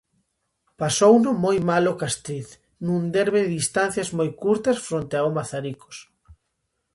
Pasouno moi mal o Castriz nun derbi de distancias moi curtas fronte ao Mazaricos.